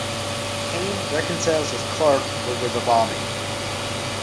Kane reconciles with Clark over the bombing.